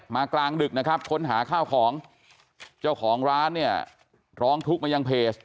กลางดึกนะครับค้นหาข้าวของเจ้าของร้านเนี่ยร้องทุกข์มายังเพจ